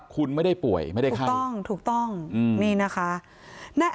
คุณไม่ได้ป่วยไม่ได้ไข้ถูกต้องถูกต้องนี่นะคะ